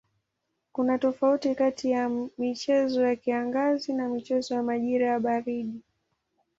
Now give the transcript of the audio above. Kuna tofauti kati ya michezo ya kiangazi na michezo ya majira ya baridi.